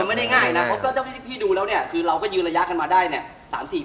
ไม่ได้ง่ายนะเพราะเจ้าที่พี่ดูแล้วเนี่ยคือเราก็ยืนระยะกันมาได้เนี่ย